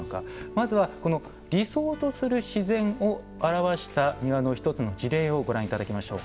まずは理想とする自然を表した庭の１つの事例をご覧いただきましょう。